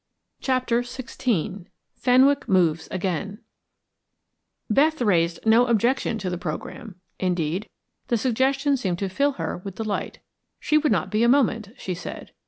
CHAPTER XVI FENWICK MOVES AGAIN Beth raised no objection to the programme; indeed, the suggestion seemed to fill her with delight. She would not be a moment, she said.